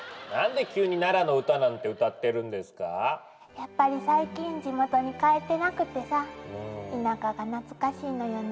やっぱり最近地元に帰ってなくてさ田舎が懐かしいのよね。